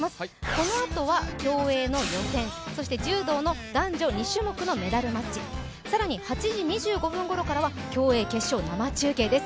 このあとは、競泳の予選、そして柔道の男女２種目のメダルマッチ、更に８時２５分ごろからは競泳決勝、生中継です。